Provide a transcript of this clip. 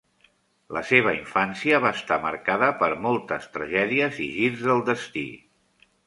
La seva infància va estar marcada per moltes tragèdies i girs del destí.